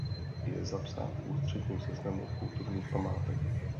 Je zapsán v Ústředním seznamu kulturních památek.